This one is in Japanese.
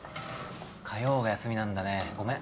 火曜が休みなんだねごめん。